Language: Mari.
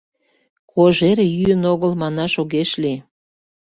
Кожер йӱын огыл манаш огеш лий.